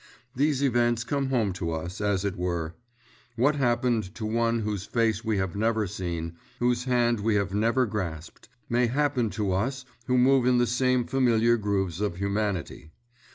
These events come home to us, as it were. What happened to one whose face we have never seen, whose hand we have never grasped, may happen to us who move in the same familiar grooves of humanity.